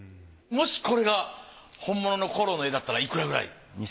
もしこれが本物のコローの絵だったらいくらくらい？